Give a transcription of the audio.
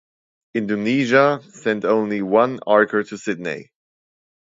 Indonesia sent only one archer to Sydney.